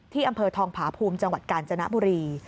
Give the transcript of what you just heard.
อำเภอทองผาภูมิจังหวัดกาญจนบุรี